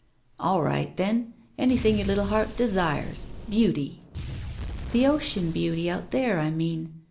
"All right, then, an3rthing your little heart desires — ^beauty." "The ocean beauty out there, I mean.